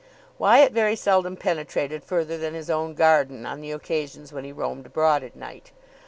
Wyatt very seldom penetrated further than his own garden on the occasions when he roamed abroad at night.